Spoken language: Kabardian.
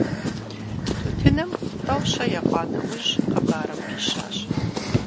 Тутыным тӀэу-щэ екъуа нэужь хъыбарым пищащ.